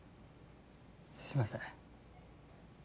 すみません